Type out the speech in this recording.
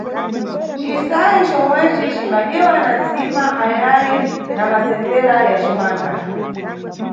Cisayi comweci cimba dyedwa na ntsima ayayi na masendera ya cimanga.